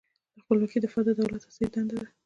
له خپلواکۍ دفاع د دولت اساسي دنده ده.